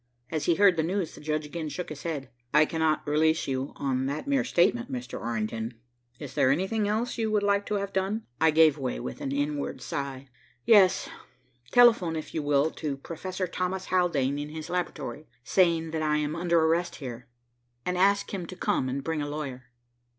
As he heard the news, the judge again shook his head. "I cannot release you on that mere statement, Mr. Orrington. Is there anything else you would like to have done?" I gave way with an inward sigh. "Yes, telephone, if you will, to Professor Thomas Haldane at his laboratory, saying that I am under arrest here, and ask him to come and bring a lawyer."